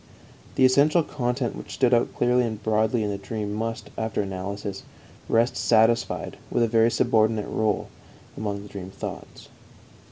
The essential content which stood out clearly and broadly in the dream must, after analysis, rest satisfied with a very subordinate rôle among the dream thoughts.